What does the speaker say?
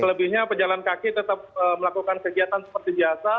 selebihnya pejalan kaki tetap melakukan kegiatan seperti biasa